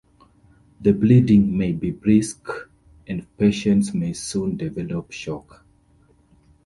The bleeding may be brisk, and patients may soon develop shock.